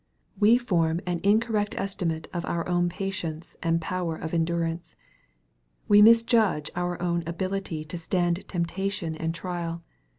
We form an incorrect estimate of our own patience and power of endurance. We misjudge our own ability to stand temptation and trial.